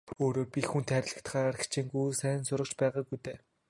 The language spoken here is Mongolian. Өөрөө би хэн хүнд хайрлагдахаар хичээнгүй сайн сурагч ч байгаагүй дээ.